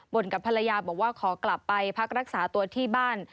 กับภรรยาบอกว่าขอกลับไปพักรักษาตัวที่บ้าน